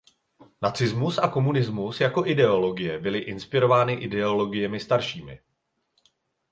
Nacismus a komunismus jako ideologie byly inspirovány ideologiemi staršími.